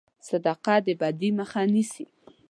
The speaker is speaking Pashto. صدقه د بدي مخه نیسي.